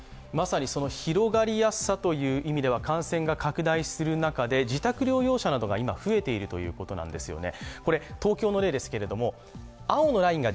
広がりやすさという意味では感染が拡大する中で自宅療養者などが今増えているということなんですよね。